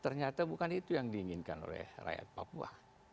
ternyata bukan itu yang diinginkan oleh rakyat papua